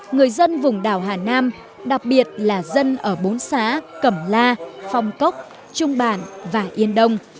nhưng vùng đảo hà nam đặc biệt là dân ở bốn xá cẩm la phong cốc trung bản và yên đông